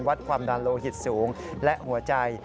วัดความดันโลหิตสูงและหัวใจ